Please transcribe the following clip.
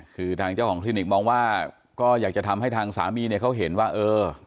คือทางเจ้าของคลินิกมองว่าก็อยากจะทำให้ทางสามีเนี่ยเขาเห็นว่าเออ